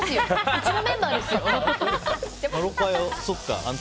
うちのメンバーですよ。